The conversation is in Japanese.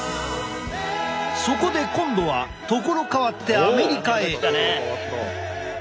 そこで今度は所変わってアメリカへ！